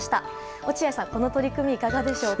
落合さん、この取り組みいかがでしょうか？